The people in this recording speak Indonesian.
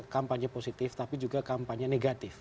kampanye positif tapi juga kampanye negatif